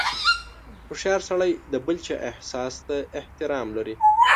• هوښیار سړی د بل چا احساس ته احترام لري.